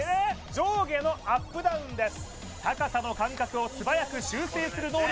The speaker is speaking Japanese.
上下のアップダウンです